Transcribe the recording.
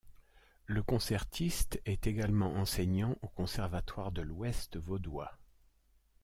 Le concertiste est également enseignant au Conservatoire de l’Ouest vaudois.